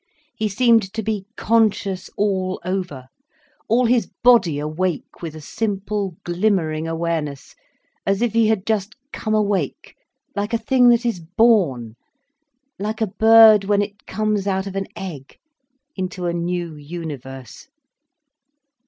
He seemed to be conscious all over, all his body awake with a simple, glimmering awareness, as if he had just come awake, like a thing that is born, like a bird when it comes out of an egg, into a new universe.